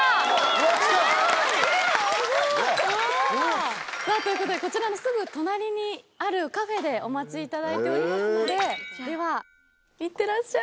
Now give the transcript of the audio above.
来た！ということで、こちらのすぐ隣にあるカフェでお待ちいただいておりますので、では、いってらっしゃい。